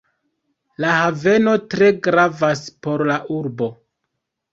La haveno tre gravas por la urbo.